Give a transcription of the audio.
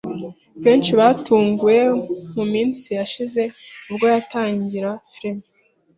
benshi batunguwe mu minsi yashize ubwo yatangira film